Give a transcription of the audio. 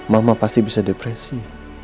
mama pasti bisa depresi